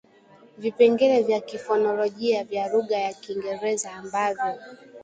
vipengele vya kifonolojia vya lugha ya Kiingereza ambavyo